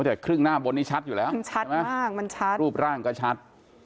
แต่ครึ่งหน้าบนนี้ชัดอยู่แล้วมันชัดมากมันชัดรูปร่างก็ชัด